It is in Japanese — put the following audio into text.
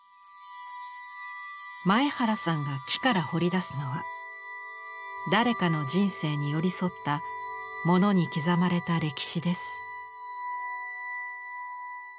前原さんが木から彫り出すのは誰かの人生に寄り添ったモノに刻まれた歴史です。